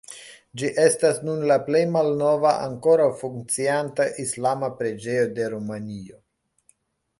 Ĝi estas nun la plej malnova, ankoraŭ funkcianta islama preĝejo de Rumanio.